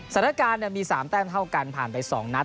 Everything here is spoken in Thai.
ศตรรยาการเนี้ยมีสามแต้มเท่ากันผ่านไปสองนัด